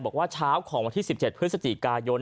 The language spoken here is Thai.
บอกว่าเช้าของวันที่๑๗พฤศจิกายน